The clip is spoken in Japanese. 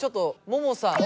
ももさん。